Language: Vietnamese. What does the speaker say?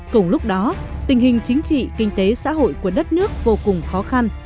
cùng lúc đó tình hình chính trị kinh tế xã hội của đất nước vô cùng khó khăn